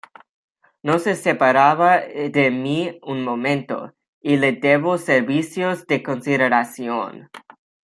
No se separaba de mí un momento, y le debo servicios de consideración"".